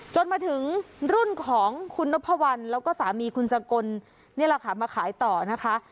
จนมาถึงรุ่นของคุณนพวัลแล้วก็สามีคุณสกลนี่แหละค่ะมาขายต่อนะคะ